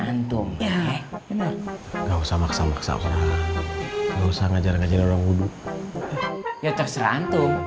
antum juga wudu